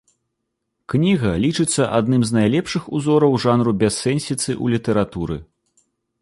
Кніга лічыцца адным з найлепшых узораў жанру бяссэнсіцы ў літаратуры.